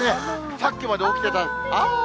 さっきまで起きてた、あー！